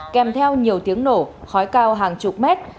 kèm theo nhiều tiếng nổ khói cao hàng chục mét